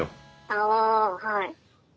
ああはい。